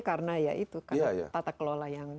karena tata kelola yang